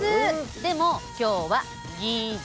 でも今日はギゼ。